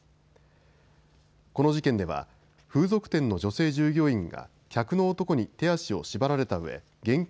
この事件では風俗店の女性従業員が客の男に手足を縛られたうえ現金